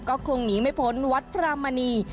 ก็คงหนีไม่พ้นวัดพระมณี